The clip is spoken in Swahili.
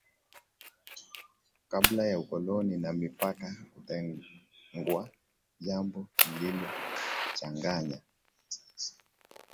Kabla ya ukoloni na mipaka kutengwa jambo lililowachanganya